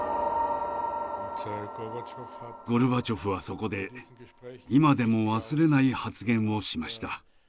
ゴルバチョフはそこで今でも忘れない発言をしました。